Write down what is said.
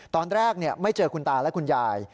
ตอนแรกไม่เจอคุณตาและคุณยาย